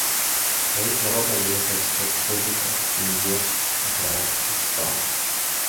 Корейская Народно-Демократическая Республика, Индия, Израиль, Пакистан.